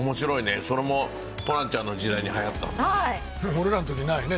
俺らの時ないよね